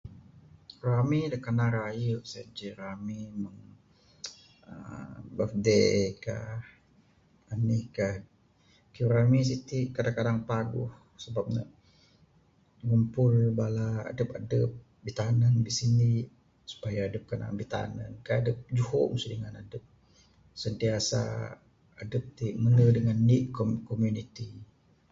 Rami da kanak rayu, sien ce, rami aa.. birthday kah. Anih kah, kayuh rami siti'k kadang kadang paguh, sebab ne ngumpul bala adup adup, bitanun, bisindi, supaya adup kanan bitanun. Kai adup juho' masu dingan adup. Sentiasa adup ti mendu dengan indi komuniti.